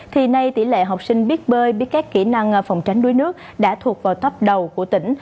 thì nay tỷ lệ học sinh biết bơi biết các kỹ năng phòng tránh đuối nước đã thuộc vào thấp đầu của tỉnh